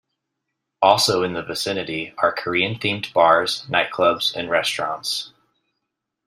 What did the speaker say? Also in the vicinity are Korean-themed bars, nightclubs, and restaurants.